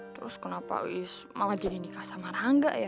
terus kenapa ais malah jadi nikah sama ranggat ya